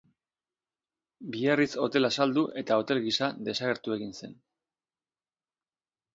Biarritz Hotela saldu eta hotel gisa desagertu egin zen.